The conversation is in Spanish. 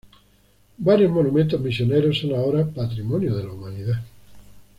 Varios monumentos misioneros son ahora Patrimonio de la Humanidad.